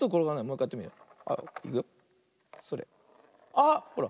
あっほら。